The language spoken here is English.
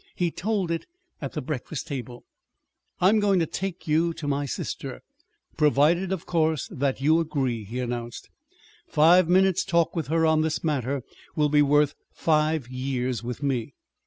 He told it at the breakfast table. "I'm going to take you to my sister, provided, of course, that you agree," he announced. "Five minutes' talk with her on this matter will be worth five years' with me.